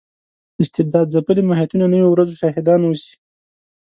استبداد ځپلي محیطونه نویو ورځو شاهدان اوسي.